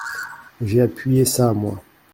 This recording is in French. J’ai appuyé ça, moi…